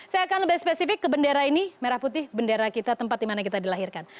saya akan lebih spesifik ke bendera ini merah putih bendera kita tempat dimana kita dilahirkan